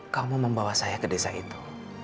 kamu membawa saya ke desa itu